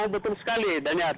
betul sekali daniar